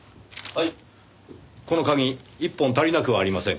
この鍵１本足りなくはありませんか？